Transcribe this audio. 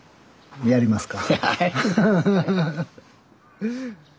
やりますか。